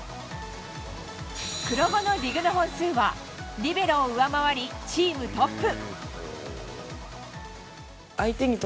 黒後のディグの本数はリベロを上回りチームトップ。